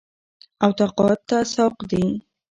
او تقاعد ته سوق دي